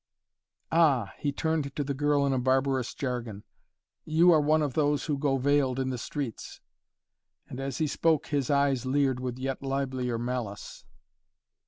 "Ah!" he turned to the girl in a barbarous jargon, "you are one of those who go veiled in the streets." And as he spoke his eyes leered with yet livelier malice.